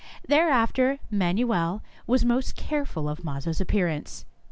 Thereafter Manuel was most careful of Mazo's appearance.